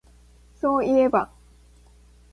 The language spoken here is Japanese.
そういえば